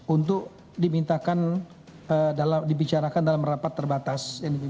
untuk dipintakan dalam dibicarakan dalam rapat terbatas